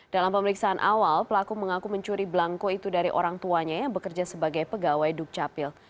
dalam pemeriksaan awal pelaku mengaku mencuri belangko itu dari orang tuanya yang bekerja sebagai pegawai dukcapil